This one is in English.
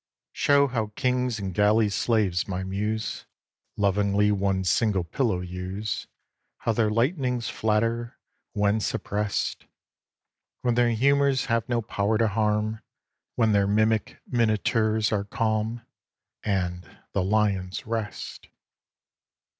Show how kings and galley slaves, my Muse, Lovingly one single pillow use, How their lightnings flatter, when surpressed, When their humors have no power to harm, When their mimic minotaurs are calm, And the lions rest!